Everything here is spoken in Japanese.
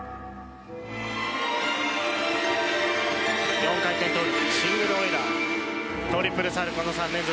４回転トゥループシングルオイラートリプルサルコウの３連続。